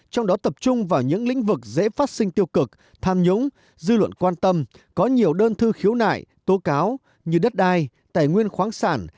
trong đó tập trung vào những lĩnh vực dễ phát sinh tiêu cực tham nhũng dư luận quan tâm có nhiều đơn thư khiếu nại tố cáo như đất đai tài nguyên khoáng sản